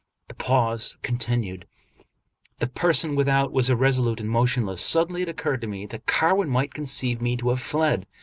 The pause continued. The person without was irresolute and motionless. Suddenly it occurred to me that Carwin might conceive me to have fled.